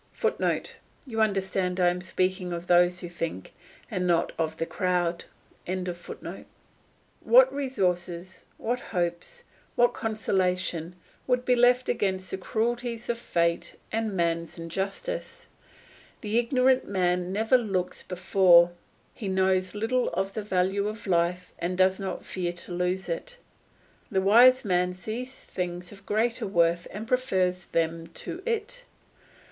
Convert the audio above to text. [Footnote: You understand I am speaking of those who think, and not of the crowd.] What resources, what hopes, what consolation would be left against the cruelties of fate and man's injustice? The ignorant man never looks before; he knows little of the value of life and does not fear to lose it; the wise man sees things of greater worth and prefers them to it.